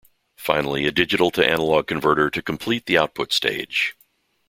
Finally a digital-to-analog converter to complete the output stage.